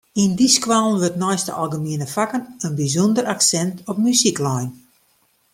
Yn dy skoallen wurdt neist de algemiene fakken in bysûnder aksint op muzyk lein.